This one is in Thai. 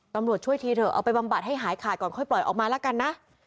ตำรวจช่วยทีเถอะเอาไปบำบัดให้หายขาดก่อนค่อยปล่อยออกมาแล้วกันนะ